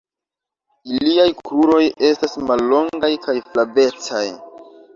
Iliaj kruroj estas mallongaj kaj flavecaj.